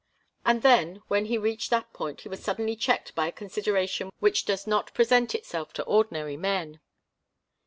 And then, when he reached that point, he was suddenly checked by a consideration which does not present itself to ordinary men.